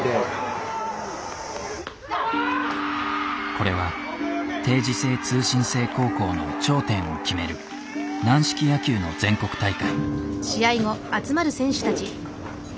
これは定時制通信制高校の頂点を決める軟式野球の全国大会。